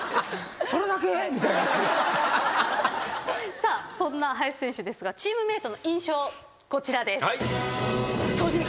さあそんな林選手ですがチームメートの印象こちらです。